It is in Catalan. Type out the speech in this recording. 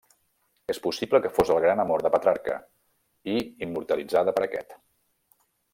És possible que fos el gran amor de Petrarca, i immortalitzada per aquest.